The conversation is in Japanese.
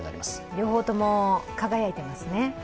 両方とも輝いてますね。